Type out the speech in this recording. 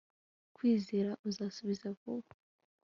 Kwizera uzasubiza vuba